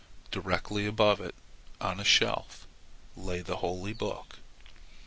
Directly above it, on a shelf, lay the holy book.